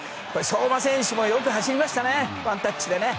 相馬選手もよく走りましたねワンタッチで。